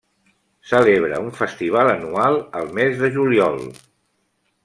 Celebra un festival anual al mes de juliol.